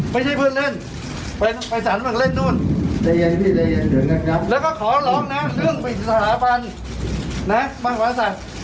ไม่ใช่เพื่อนเล่นไปสรรค์มันเล่นนู่น